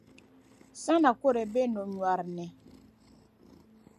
Sana kɔrɛ be no’ nyɔri ni.